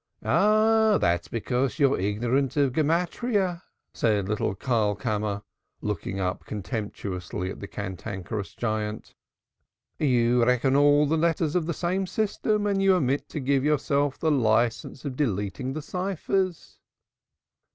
"Ah, that's because you're ignorant of Gematriyah," said little Karlkammer, looking up contemptuously at the cantankerous giant. "You reckon all the letters on the same system, and you omit to give yourself the license of deleting the ciphers."